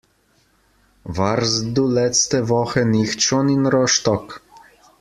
Warst du letzte Woche nicht schon in Rostock?